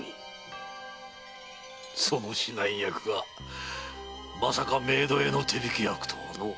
その指南役がまさか冥土への手引き役とはのう。